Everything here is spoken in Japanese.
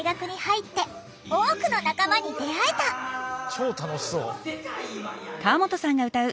超楽しそう。